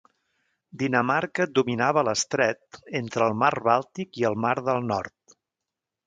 Dinamarca dominava l'estret entre el Mar Bàltic i el Mar del Nord.